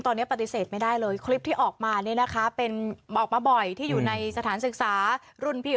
ตอนนี้ปฏิเสธไม่ได้เลยคลิปที่ออกมาเนี่ยนะคะเป็นออกมาบ่อยที่อยู่ในสถานศึกษารุ่นพี่